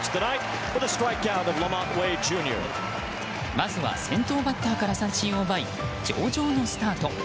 まずは先頭バッターから三振を奪い、上々のスタート。